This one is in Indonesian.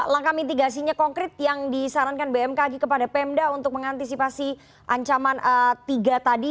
langkah mitigasinya konkret yang disarankan bmk lagi kepada pmda untuk mengantisipasi ancaman tiga tadi